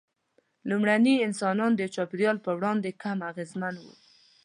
لومړني انسانان د چاپېریال پر وړاندې کم اغېزمن وو.